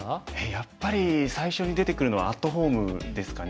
やっぱり最初に出てくるのはアットホームですかね。